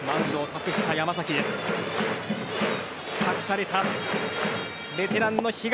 託されたベテランの比嘉。